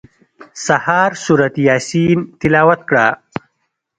سهار سورت یاسین تلاوت کړه.